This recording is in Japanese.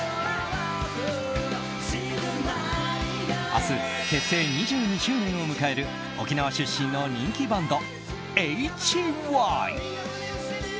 明日、結成２２周年を迎える沖縄出身の人気バンドＨＹ。